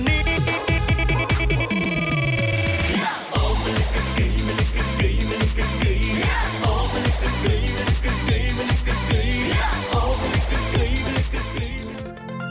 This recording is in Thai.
มาเมื่อที่กว่า